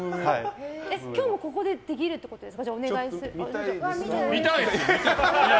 今日もここでできるっていうことですか？